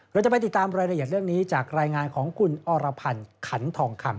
เราจะไปติดตามรายละเอียดเรื่องนี้จากรายงานของคุณอรพันธ์ขันทองคำ